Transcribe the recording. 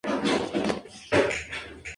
Está dividido en tres porciones.